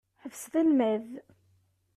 Ḥebset almad!